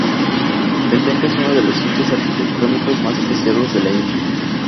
El templo es uno de los sitios arquitectónicos más preciados de la India.